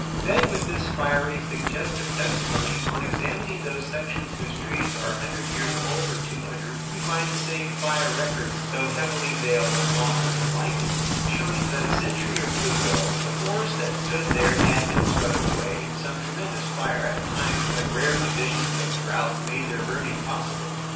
Then, with this fiery, suggestive testimony, on examining those sections whose trees are a hundred years old or two hundred, we find the same fire records, though heavily veiled with mosses and lichens, showing that a century or two ago the forests that stood there had been swept away in some tremendous fire at a time when rare conditions of drouth made their burning possible.